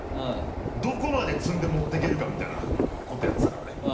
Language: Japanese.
どこまで積んで持っていけるかみたいなことやってたからね。